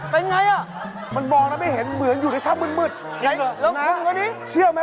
เป็นอย่างไร